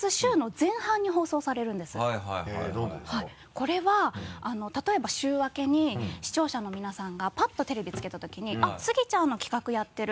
これは例えば週明けに視聴者の皆さんがパッとテレビつけた時にあっスギちゃんの企画やってる。